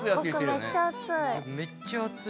僕めっちゃ熱い。